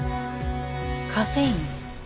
カフェイン？